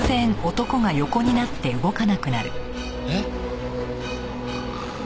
えっ？